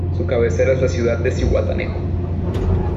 Su cabecera es las ciudad de Zihuatanejo.